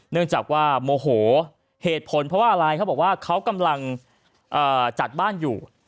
เนื่องจากว่าโมโหเหตุผลเพราะว่าอะไรเขาบอกว่าเขากำลังจัดบ้านอยู่